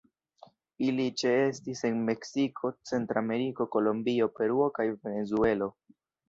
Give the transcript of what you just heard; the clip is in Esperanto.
Ili ĉeestis en Meksiko, Centrameriko, Kolombio, Peruo kaj Venezuelo.